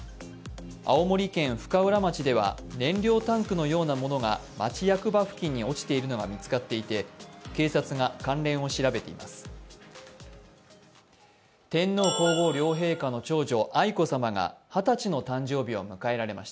青森県深浦町では燃料タンクのようなものが町役場付近に落ちているのが見つかっていて警察が関連を調べています。